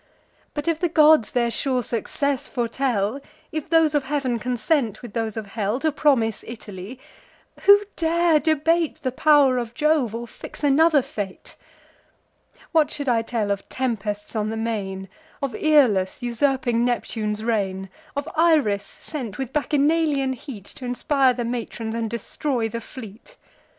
But, if the gods their sure success foretell; If those of heav'n consent with those of hell, To promise Italy; who dare debate The pow'r of Jove, or fix another fate? What should I tell of tempests on the main, Of Aeolus usurping Neptune's reign? Of Iris sent, with Bacchanalian heat T' inspire the matrons, and destroy the fleet?